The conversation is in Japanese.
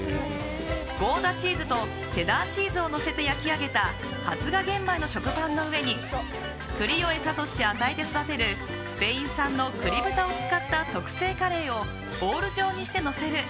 ゴーダチーズとチェダーチーズをのせて焼き上げた発芽玄米の食パンの上に栗を餌として与えて育てるスペイン産の栗豚を使った特製カレーをボール状にしてのせる。